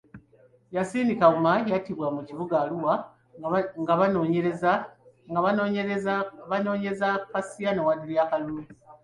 Yassin Kawuma yattibwa mu kibuga Arua nga banoonyeza Kassiano Wadri akalulu.